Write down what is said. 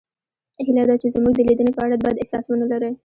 هیله ده چې زموږ د لیدنې په اړه بد احساس ونلرئ